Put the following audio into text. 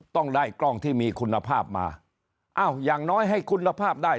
ต้องได้กล้องที่มีคุณภาพมาอ้าวอย่างน้อยให้คุณภาพได้